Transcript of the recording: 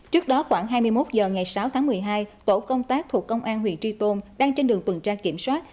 trước đó khoảng hai mươi một h ngày sáu tháng một mươi hai tổ công tác thuộc công an huyện tri tôn đang trên đường tuần tra kiểm soát